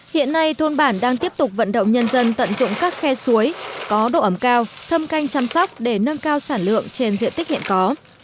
hiện nay thôn bản đang tiếp tục vận động nhân dân tận dụng các khe suối có độ ấm cao thâm canh chăm sóc để nâng cao sản lượng trên diện tích hiện có